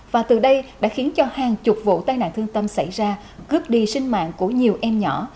và từ đây đã khiến cho hàng chục vụ tai nạn thương tâm xảy ra cướp đi sinh mạng của nhiều em nhỏ